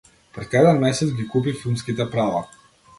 Пред еден месец ги купи филмските права